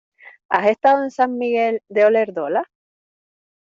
¿Has estado en San Miguel de Olerdola?